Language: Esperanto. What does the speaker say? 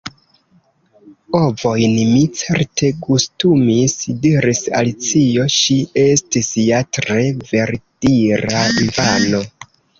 "Ovojn mi certe gustumis," diris Alicio, ŝi estis ja tre verdira infano.